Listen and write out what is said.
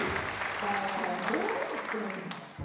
もうどうなってんの？